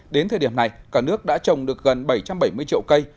đến thời điểm này cả nước đã trồng được gần bảy trăm bảy mươi triệu cây